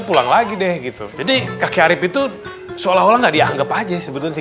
pulang lagi deh gitu jadi kakek arief itu seolah olah nggak dianggap aja sebetulnya